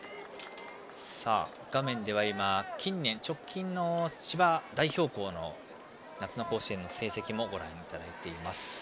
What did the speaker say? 画面では直近の千葉代表校の夏甲子園の成績をご覧いただいています。